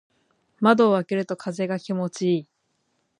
窓を開けると風が気持ちいい。